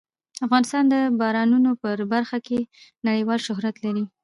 افغانستان د بارانونو په برخه کې نړیوال شهرت لري.